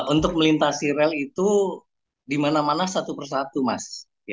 untuk melintasi rel itu dimana mana satu persatu mas